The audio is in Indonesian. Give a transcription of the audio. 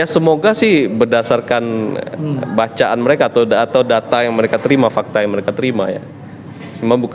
semoga sih berdasarkan bacaan mereka atau data yang mereka terima fakta yang mereka terima ya